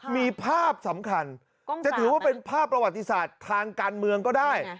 มีภาพสำคัญจะถือว่าเป็นภาพประวัติศาสตร์ทางการเมืองก็ได้